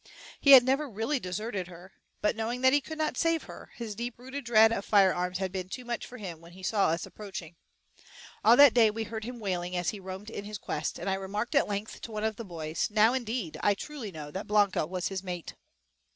He had never really deserted her, but, knowing that he could not save her, his deep rooted dread of firearms had been too much for him when he saw us approaching. All that day we heard him wailing as he roamed in his quest, and I remarked at length to one of the boys, "Now, indeed, I truly know that Blanca was his mate."